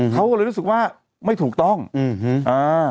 เขาก็เลยรู้สึกว่าไม่ถูกต้องอืมอ่า